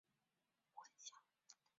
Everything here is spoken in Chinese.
常和驯鹿混淆。